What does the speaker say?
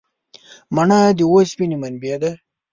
مڼه د اوسپنې منبع ده.